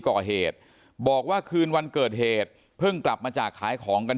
ก่อเหตุบอกว่าคืนวันเกิดเหตุเพิ่งกลับมาจากขายของกัน